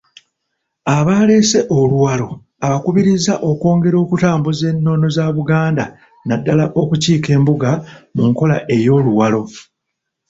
Abaleese oluwalo abakubiriza okwongera okutambuuza ennono za Buganda naddala okukiika Embuga mu nkola ey'Oluwalo.